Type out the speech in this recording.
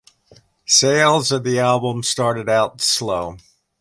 Sales of the album started out slow.